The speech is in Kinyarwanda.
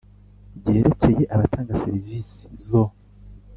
byerekeye abatanga serivisi zo